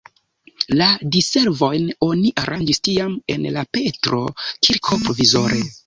La diservojn oni aranĝis tiam en la Petro-kirko provizore.